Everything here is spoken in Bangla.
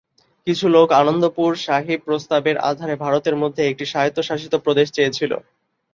কিছু লোক আনন্দপুর সাহিব প্রস্তাবের আধারে ভারতের মধ্যে একটি স্বায়ত্বশাসিত প্রদেশ চেয়েছিল।